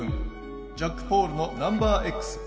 ジャックポールの「ナンバーＸ」